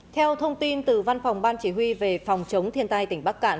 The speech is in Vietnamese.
theo thông tin từ văn phòng ban chỉ huy về phòng chống thiên tai tỉnh bắc cạn